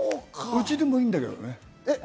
うちでもいいんだけどね。